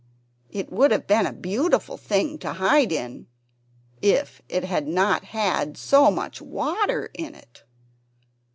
It would have been a beautiful thing to hide in, if it had not had so much water in it.